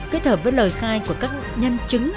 kết hợp với lời khai của các nhân chứng